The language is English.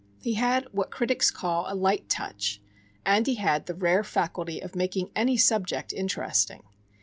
He had what critics call "a light touch"; and he had the rare faculty of making any subject interesting.